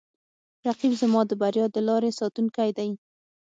رقیب زما د بریا د لارې ساتونکی دی